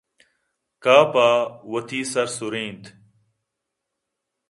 کافءَ وتی سر سُرینت